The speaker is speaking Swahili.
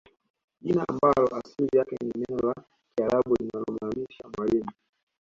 Jina ambalo asili yake ni neno la kiarabu linalomaanisha mwalimu